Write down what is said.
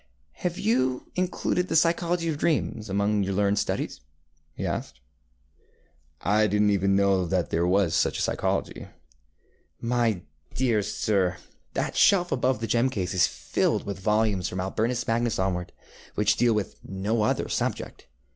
ŌĆ£Have you included the psychology of dreams among your learned studies? ŌĆØ he asked. ŌĆ£I did not even know that there was such a psychology. ŌĆØ ŌĆ£My dear sir, that shelf above the gem case is filled with volumes, from Albertus Magnus onward, which deal with no other subject.